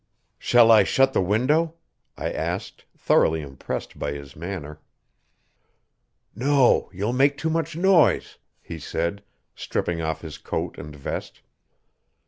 "Shall I shut the window?" I asked, thoroughly impressed by his manner. "No, you'll make too much noise," he said, stripping off his coat and vest.